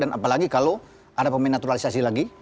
apalagi kalau ada pemain naturalisasi lagi